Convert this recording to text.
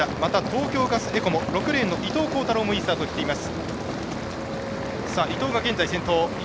東京ガスエコモ、６レーンの伊藤孝太郎もいいスタート切っています。